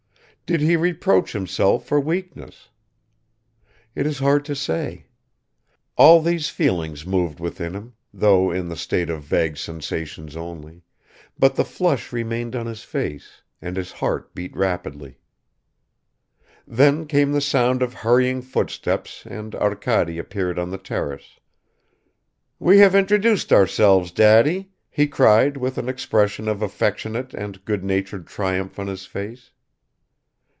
Did he reproach himself for weakness? It is hard to say. All these feelings moved within him. though in the state of vague sensations only, but the flush remained on his face, and his heart beat rapidly. Then came the sound of hurrying footsteps and Arkady appeared on the terrace. "We have introduced ourselves, Daddy!" he cried with an expression of affectionate and good natured triumph on his face.